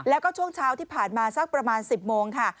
แล้วก็ช่วงเช้าที่ผ่านมาสักประมาณ๑๐โมงค่ะ